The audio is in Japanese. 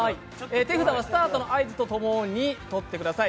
手札はスタートの合図とともに取ってください。